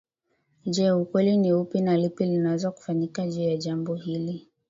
Je ukweli ni upi na lipi laweza kufanyika juu ya jambo hili